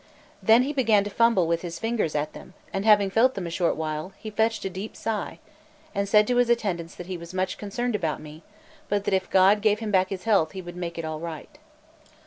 Then he began to fumble with his fingers at them, and having felt them a short while, he fetched a deep sigh, and said to his attendants that he was much concerned about me, but that if God gave him back his health he would make it all right.